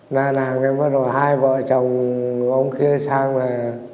na nàng cái bắt đầu hai vợ chồng ông kia sang và